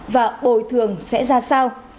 và bồi thường sẽ ra sao